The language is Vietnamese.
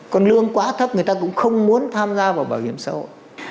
còn lương quá thấp người ta cũng không muốn tham gia vào bảo hiểm xã hội